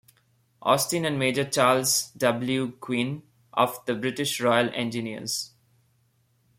Austin and Major Charles W. Gwynn of the British Royal Engineers.